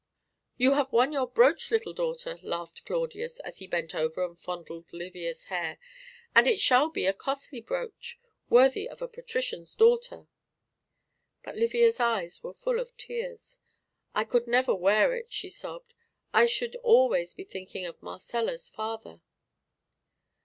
"You have won your brooch, little daughter," laughed Claudius, as he bent over and fondled Livia's hair. "And it shall be a costly brooch, worthy of a patrician's daughter." But Livia's eyes were full of tears, "I could never wear it," she sobbed; "I should always be thinking of Marcella's father."